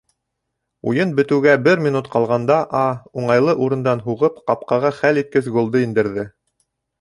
Уйын бөтөүгә бер минут ҡалғанда А., уңайлы урындан һуғып, ҡапҡаға хәл иткес голды индерҙе